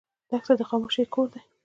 دښته د خاموشۍ کور دی.